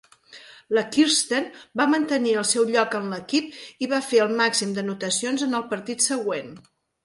La Kirsten va mantenir el seu lloc en l'equip i va fer el màxim d'anotacions en el partit següent.